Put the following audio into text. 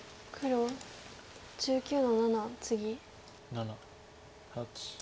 ７８。